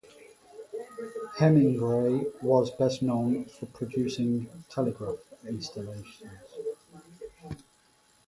Hemingray was best known for producing telegraph insulators.